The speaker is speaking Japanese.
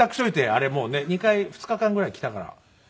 あれもうね２回２日間ぐらい着たから。